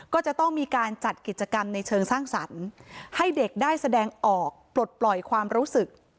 ก็จะต้องมีการจัดกิจกรรมในเชิงสร้างสรรค์ให้เด็กได้แสดงออกปลดปล่อยความรู้สึก